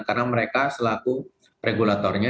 karena mereka selaku regulatornya